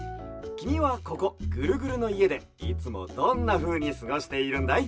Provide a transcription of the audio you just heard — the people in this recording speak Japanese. きみはここぐるぐるのいえでいつもどんなふうにすごしているんだい？